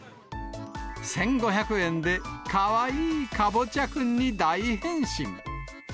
１５００円で、かわいいかぼちゃくんに大変身。